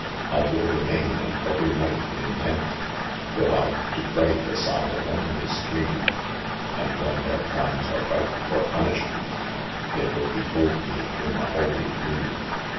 " I will remain and every night, intent, Go out to pray beside a lonely stream ; And when their crimes are ripe for punishment It will be told me in a holy dream.